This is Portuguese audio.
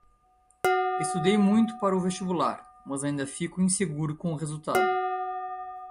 Estudei muito para o vestibular, mas ainda fico inseguro com o resultado.